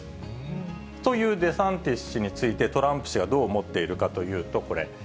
というデサンティス氏について、トランプ氏はどう思っているかというと、これ。